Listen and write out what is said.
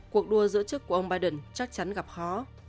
cuộc đua giữa chức của ông biden chắc chắn gặp khó